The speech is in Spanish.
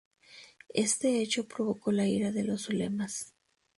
Este hecho provocó la ira de los ulemas.